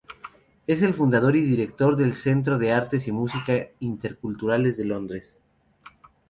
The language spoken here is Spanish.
Es el fundador y director del Centro de Artes y Música Interculturales de Londres.